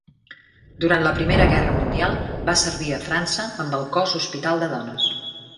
Durant la Primera Guerra Mundial va servir a França amb el Cos Hospital de Dones.